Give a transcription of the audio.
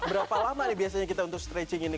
berapa lama nih biasanya kita untuk stretching ini